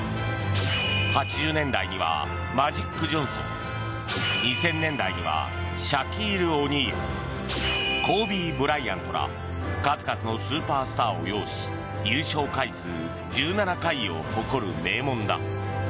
８０年代にはマジック・ジョンソン２０００年代にはシャキール・オニールコービー・ブライアントら数々のスーパースターを擁し優勝回数１７回を誇る名門だ。